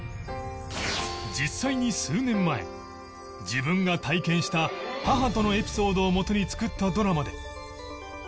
実際に数年前自分が体験した母とのエピソードをもとに作ったドラマで藤原が挑む！